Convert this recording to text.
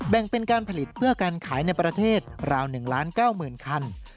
เป็นการผลิตเพื่อการขายในประเทศราว๑๙๐๐คัน